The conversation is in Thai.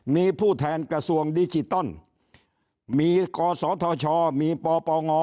มีผู้แทนกระทรวงดิจิตอลมีกศธชมีปปง